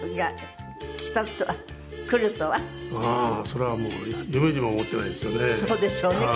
それはもう夢にも思っていないですよね。